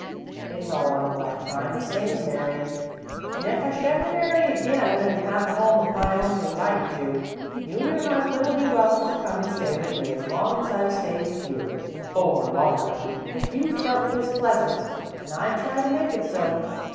It's all in a lifetime, the same as marryin', and if I should ever marry again an' have a home of my own to invite you to, you an' your husband'll be welcome to come and stay with me as long as I've stayed with you, or longer, if you felt 'twas pleasant, an' I'd try to make it so."